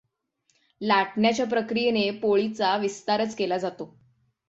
लाटण्याच्या प्रक्रियेने पोळीचा विस्तारच केला जातो.